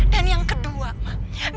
dan yang kedua ma